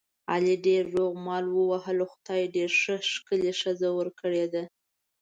علي ډېر روغ مال ووهلو، خدای ډېره ښه ښکلې ښځه ور کړې ده.